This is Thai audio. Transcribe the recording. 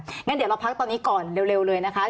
งั้นเดี๋ยวเราพักตอนนี้ก่อนเร็วเลยนะคะ